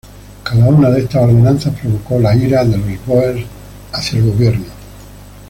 Cada una de estas ordenanzas provocó la ira de los Bóers hacia el gobierno.